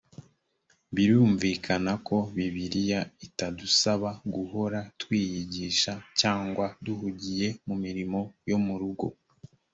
birumvikana ko bibiliya itadusaba guhora twiyigisha cyangwa duhugiye mu mirimo yo mu rugo